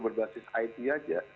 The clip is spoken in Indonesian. berbasis it aja